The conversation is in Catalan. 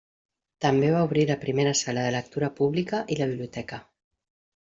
També va obrir la primera Sala de Lectura Pública i la Biblioteca.